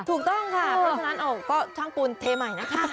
ถูกต้องค่ะเพราะฉะนั้นก็ช่างปูนเทใหม่นะคะ